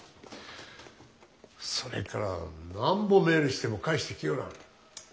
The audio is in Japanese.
それからなんぼメールしても返してきよらん。